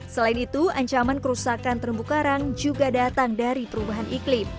selain itu ancaman kerusakan terumbu karang juga datang dari perubahan iklim